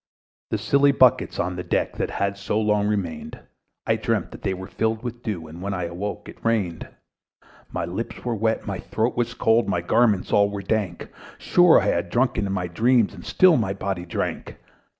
The silly buckets on the deck, That had so long remained, I dreamt that they were filled with dew; And when I awoke, it rained. My lips were wet, my throat was cold, My garments all were dank; Sure I had drunken in my dreams, And still my body drank.